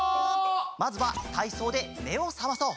まずはたいそうでめをさまそう！